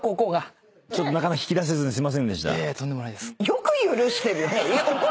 よく許してるね！